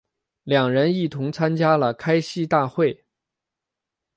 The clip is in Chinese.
两人一同参加了开西大会。